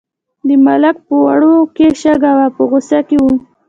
د ملک په وړو کې شګه وه په غوسه کې و.